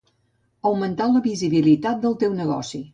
Augmentar la visibilitat del teu negoci